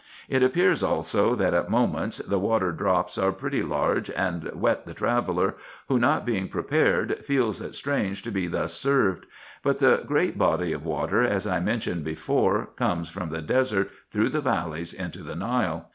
It appears also, that at moments the water drops are pretty large, and wet the traveller, who, not being prepared, feels it strange to be thus served ; but the great body of water, as I mentioned before, comes from the desert, through the valleys into the Nile.